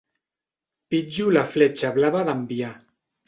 Pitjo la fletxa blava d'enviar.